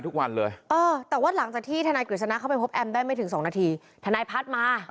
ตกลงตอนนี้ทนายของคดีแอมคือใคร